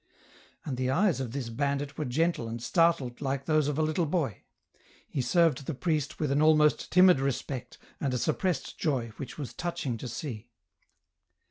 And the eyes of this bandit were gentle and startled like those of a little boy. He served the priest with an almost timid respect and a suppressed joy which was touching to see.